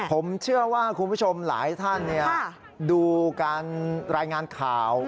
ผมเชื่อว่าคุณผู้ชมหลายท่านดูการรายงานข่าว